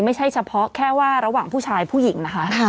ไม่ใช่เฉพาะแค่ว่าระหว่างผู้ชายผู้หญิงนะคะ